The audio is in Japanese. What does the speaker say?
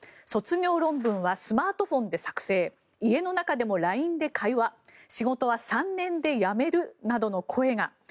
卒業論文はスマートフォンで作成家の中でもＬＩＮＥで会話仕事は３年で辞めるなどの声が。